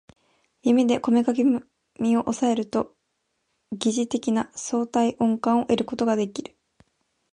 指でこめかみを抑えると疑似的な相対音感を得ることができる